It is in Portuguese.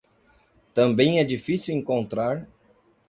Também é difícil encontrar